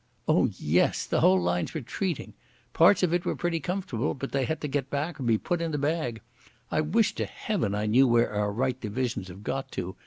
Oh, yes, the whole line's retreating. Parts of it were pretty comfortable, but they had to get back or be put in the bag. I wish to Heaven I knew where our right divisions have got to.